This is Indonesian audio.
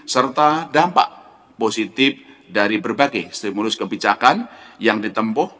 serta dampak positif dari berbagai stimulus kebijakan yang ditempuh